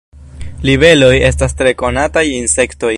Libeloj estas tre konataj insektoj.